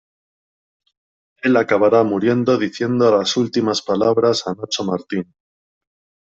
Él acabará muriendo diciendo las últimas palabras a Nacho Martín.